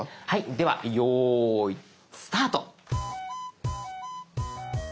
ではよいスタート。